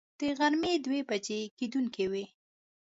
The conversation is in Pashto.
د غرمې دوه بجې کېدونکې وې.